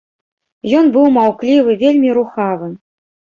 Ён быў маўклівы, вельмі рухавы.